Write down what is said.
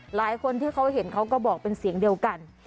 หลายคนที่เขาเห็นเขาก็บอกเป็นเสียงเดียวกัน